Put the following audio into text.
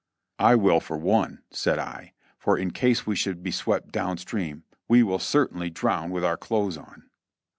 "I will for one," said I, "for in case we should be swept down stream we will certainly drown with our clothes on."